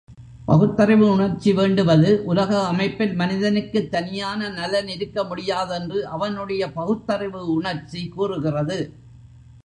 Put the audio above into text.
பகுத்தறிவு உணர்ச்சி வேண்டுவது உலக அமைப்பில் மனிதனுக்குத் தனியான நலன் இருக்க முடியாதென்று அவனுடைய பகுத்தறிவு உணர்ச்சி கூறுகிறது.